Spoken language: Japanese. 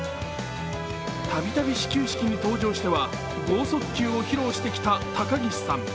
度々始球式に登場しては剛速球を披露してきた高岸さん。